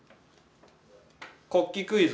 国旗クイズ。